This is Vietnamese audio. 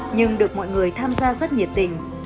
nhưng được mọi người tham gia rất nhiệt tình